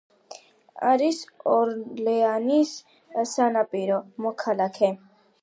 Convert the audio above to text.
არის ორლეანის საპატიო მოქალაქე.